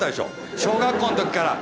小学校の時から。